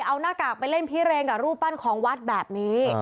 เอาหน้ากากไปเล่นพิเรงกับรูปปั้นของวัดแบบนี้